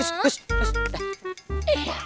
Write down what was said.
ust ust udah